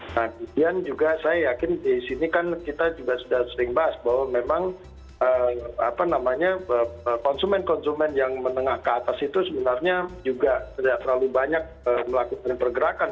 nah kemudian juga saya yakin di sini kan kita juga sudah sering bahas bahwa memang konsumen konsumen yang menengah ke atas itu sebenarnya juga tidak terlalu banyak melakukan pergerakan